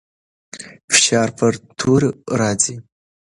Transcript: فشار پر تورو راځي.